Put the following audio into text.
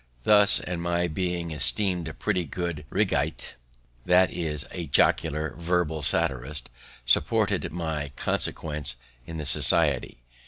This, and my being esteem'd a pretty good riggite, that is, a jocular verbal satirist, supported my consequence in the society.